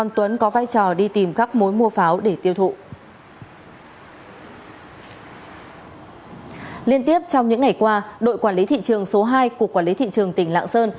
trong những ngày qua đội quản lý thị trường số hai của quản lý thị trường tỉnh lạng sơn